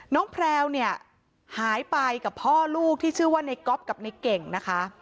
น้องแพรวเนี่ยหายไปกับพ่อลูกที่ชื่อว่าเน็กก๊อล์ฟกับเน็กเก่งนะคะ